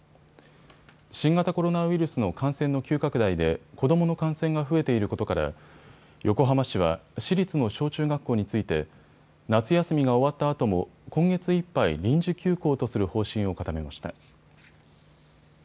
新型コロナウイルスの感染の急拡大で子どもの感染が増えていることから横浜市は市立の小中学校について夏休みが終わったあとも今月いっぱい臨時休校とする方針を固めました。